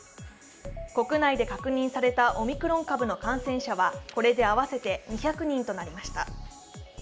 国内で確認されたオミクロン株の感染者はこれで合わせて２００人となりました